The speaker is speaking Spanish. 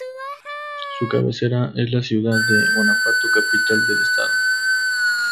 Su cabecera es la ciudad de Guanajuato, capital del estado.